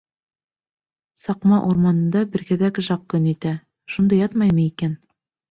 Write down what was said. Саҡма урманында берәҙәк Жак көн итә, шунда ятмаймы икән?